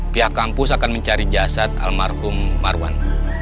pihak kampus akan mencari jasad almarhum marwan